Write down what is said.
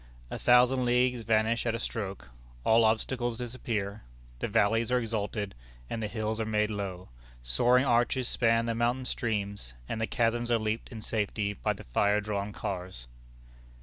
A thousand leagues vanish at a stroke. All obstacles disappear. The valleys are exalted, and the hills are made low, soaring arches span the mountain streams, and the chasms are leaped in safety by the fire drawn cars.